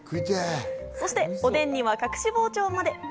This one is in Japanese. そして、おでんには隠し包丁まで。